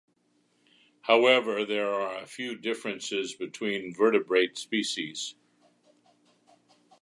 However, there are a few differences between vertebrate species.